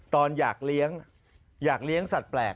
ตอนอยากเลี้ยงอยากเลี้ยงสัตว์แปลก